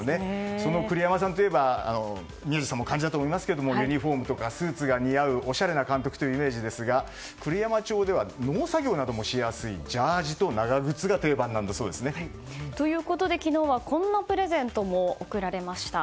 その栗山さんといえば宮司さんも感じたと思いますがユニホームとかスーツが似合う、おしゃれな監督というイメージですが栗山町では農作業などもしやすいジャージーと長靴がということで昨日はこんなプレゼントも贈られました。